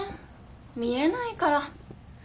見えないから。